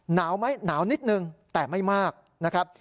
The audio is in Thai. หนาวนิดหนึ่งแต่ไม่มากนะครับ